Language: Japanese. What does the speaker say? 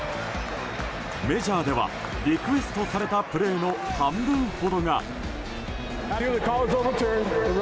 メジャーではリクエストされたプレーの半分ほどが。